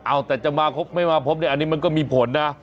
เอาแต่จะมาครบไม่มาพบเนี่ยอันนี้มันก็มีผลนะ